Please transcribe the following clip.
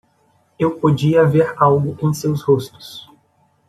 Eu podia ver algo em seus rostos.